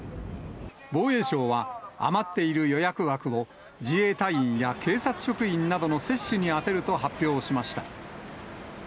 防衛省は、余っている予約枠を自衛隊員や警察職員などの接種に充てると発表しました。